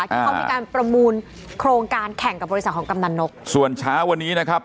ที่เขามีการประมูลโครงการแข่งกับบริษัทของกำนันนกส่วนเช้าวันนี้นะครับ